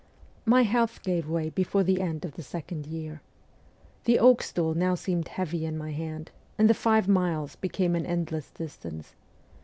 My health gave way before the end of the second year. The oak stool now seemed heavy in my hand, and the five miles became an endless distance.